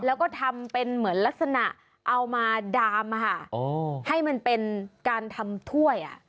แล้วก็ทำเป็นเหมือนลักษณะเอามาดามให้มันเป็นการทำถ้วย